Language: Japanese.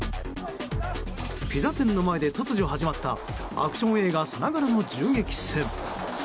ピザ店の前で突如始まったアクション映画さながらの銃撃戦。